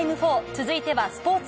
続いてはスポーツ。